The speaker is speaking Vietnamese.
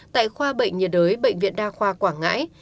tại khoa bệnh nhiệt đới bệnh viện đa khoa quảng ngãi